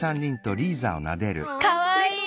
かわいい！